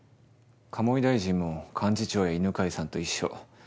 鴨井大臣も幹事長や犬飼さんと一緒。